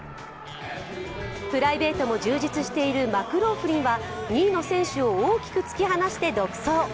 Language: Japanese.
プライベートも充実しているマクローフリンは２位の選手を大きく突き放して独走。